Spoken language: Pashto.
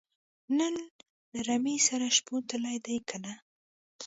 نن له رمې سره شپون تللی دی که نۀ